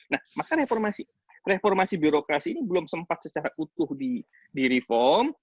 nah maka reformasi birokrasi ini belum sempat secara utuh di reform